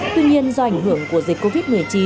tuy nhiên do ảnh hưởng của dịch covid một mươi chín